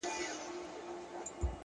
ما ويل څه به ورته گران يمه زه!!